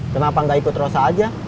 kenapa nggak ikut rosa aja